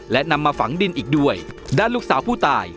และนำมาฝังดินอีกด้วยด้านลูกสาวผู้ตาย